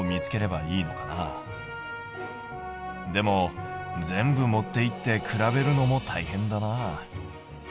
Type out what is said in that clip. でも全部持っていって比べるのもたいへんだな。